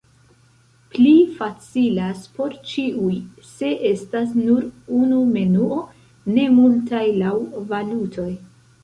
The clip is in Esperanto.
Pli facilas por ĉiuj, se estas nur unu menuo, ne multaj laŭ valutoj.